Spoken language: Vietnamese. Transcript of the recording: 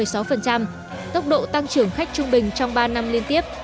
tốc độ tăng trưởng khách trung bình trong ba năm liên tiếp